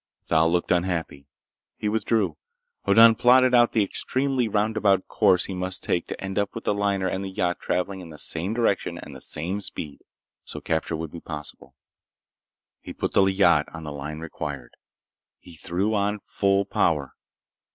Thal looked unhappy. He withdrew. Hoddan plotted out the extremely roundabout course he must take to end up with the liner and the yacht traveling in the same direction and the same speed, so capture would be possible. He put the yacht on the line required. He threw on full power.